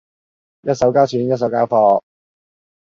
一手交錢一手交貨